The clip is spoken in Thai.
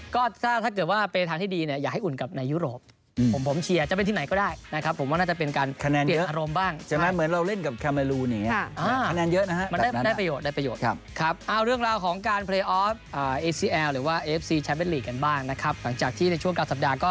ก็ถ้าเกิดว่าเป็นทางที่ดีอย่าให้อุ่นกับในยุโรป